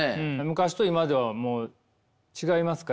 昔と今ではもう違いますか？